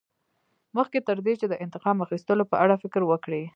مخکې تر دې چې د انتقام اخیستلو په اړه فکر وکړې.